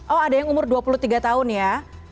oh ada yang umur dua puluh tiga tahun ya